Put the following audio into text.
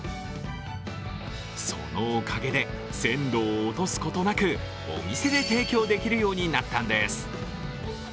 そのおかげで鮮度を落とすことなくお店で提供できるようになったんです。